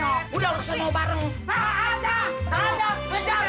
oke kalau gitu kita kejar